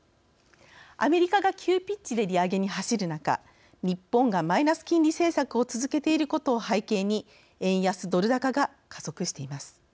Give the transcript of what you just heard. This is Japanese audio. アメリカが急ピッチで利上げに走る中日本がマイナス金利政策を続けていることを背景に円安ドル高が加速しています。